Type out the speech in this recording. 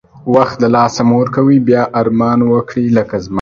وخت د لاسه مه ورکوی بیا ارمان وکړی لکه زما